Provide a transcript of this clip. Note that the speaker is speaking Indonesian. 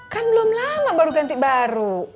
kan belum lama baru ganti baru